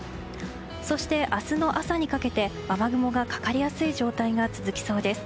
そして明日の朝にかけて雨雲がかかりやすい状態が続きそうです。